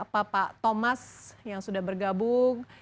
bapak thomas yang sudah bergabung